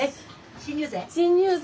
新入生？